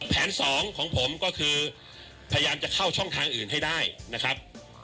แผนสองของผมก็คือพยายามจะเข้าช่องทางอื่นให้ได้นะครับ